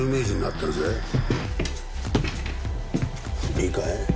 いいかい？